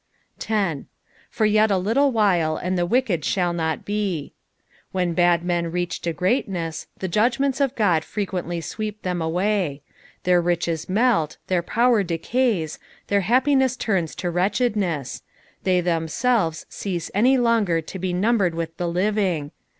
10 " For yet a little ahile. and the wicked shall not be." When bad men reach to greatness, the judgments of God frequently sweep them awny ; their riches melt, their power decays, their happiness turns to wretchedness ; they them* •elves cease any longer to be numbered with the living.